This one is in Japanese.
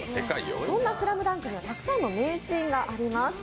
そんな「ＳＬＡＭＤＵＮＫ」にはたくさんの名シーンがあります。